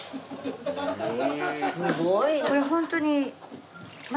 すごいな。